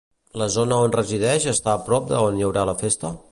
La zona on resideix està prop on hi haurà la festa?